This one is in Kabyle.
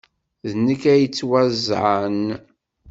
D nekk ay yettwaẓẓɛen.